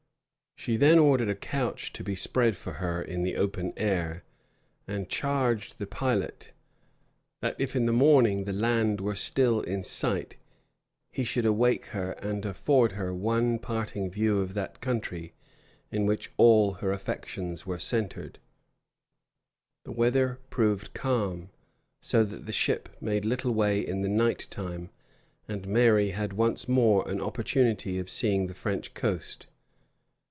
She then ordered a couch to be spread for her in the open air; and charged the pilot, that, if in the morning the land were still in sight, he should awake her, and afford her one parting view of that country in which all her affections were centred. The weather proved calm, so that the ship made little way in the night time; and Mary had once more an opportunity of seeing the French coast.